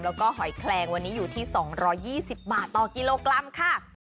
แล้วก็หอยแคลงวันนี้อยู่ที่๒๒๐บาทต่อกิโลกรัมค่ะ